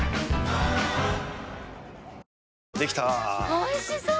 おいしそう！